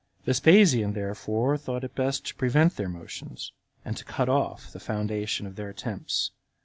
Vespasian therefore thought it best to prevent their motions, and to cut off the foundation of their attempts.